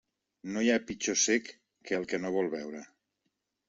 No hi ha pitjor cec que el que no vol veure.